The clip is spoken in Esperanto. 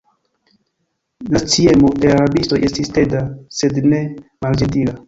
La sciemo de la rabistoj estis teda, sed ne malĝentila.